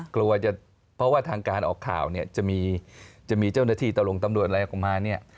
กลัวเพราะว่าทางการออกข่าวจะมีเจ้าหน้าที่ตะลงตำรวจอะไรออกมา